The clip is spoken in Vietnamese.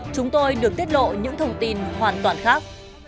chúng tôi được tiết lộ những thông tin hoàn toàn khác